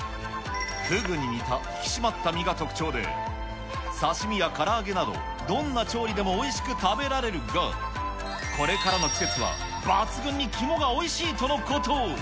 フグに似た引き締まった身が特徴で、刺身やから揚げなど、どんな調理でもおいしく食べられるが、これからの季節は抜群に肝がおいしいとのこと。